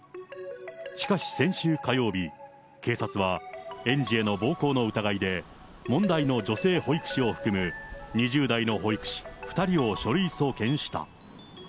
しかし、先週火曜日、警察は園児への暴行の疑いで、問題の女性保育士を含む２０代の保育士２人を書類送検した。